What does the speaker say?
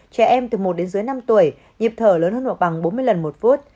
trẻ em từ một đến dưới năm tuổi nhịp thở lớn hơn hoặc bằng bốn mươi lần một phút